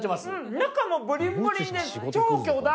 中もブリンブリンで超巨大！